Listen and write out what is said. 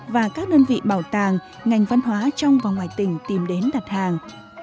và các đơn vị bảo tàng ngành văn hóa trong và ngoài tỉnh tìm đến đặt hàng